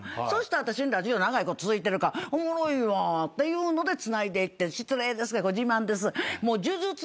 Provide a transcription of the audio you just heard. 私のラジオ長いこと続いてるからおもろいわっていうのでつないでいって失礼ですがこれ自慢です。